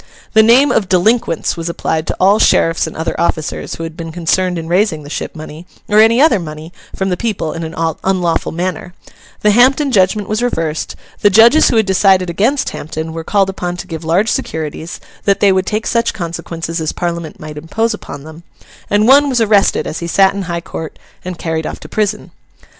The name of Delinquents was applied to all sheriffs and other officers who had been concerned in raising the ship money, or any other money, from the people, in an unlawful manner; the Hampden judgment was reversed; the judges who had decided against Hampden were called upon to give large securities that they would take such consequences as Parliament might impose upon them; and one was arrested as he sat in High Court, and carried off to prison.